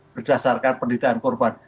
berdasarkan penderitaan korban